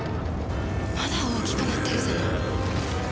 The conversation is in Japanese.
まだ大きくなってるじゃない！